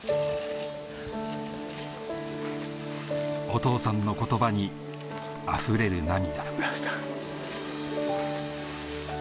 お父さんの言葉にあふれる涙